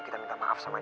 kita minta maaf sama dia